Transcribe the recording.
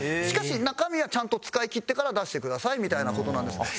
しかし中身はちゃんと使い切ってから出してくださいみたいな事なんです。